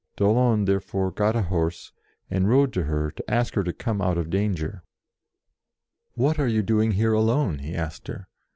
D'Aulon there fore got a horse, and rode to her to ask her to come out of danger. "What are you doing here alone?" he asked her.